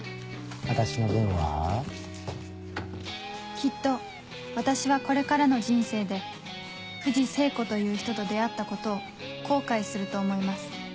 きっと私はこれからの人生で藤聖子という人と出会ったことを後悔すると思います